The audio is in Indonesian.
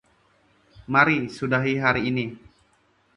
Mari sudahi hari ini.